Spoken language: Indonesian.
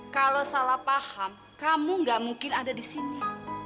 kalau salah paham kamu gak mungkin ada di sini